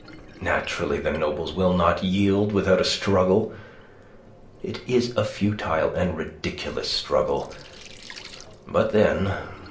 Naturally the nobles will not yield without a struggle. It is a futile and ridiculous struggle but then...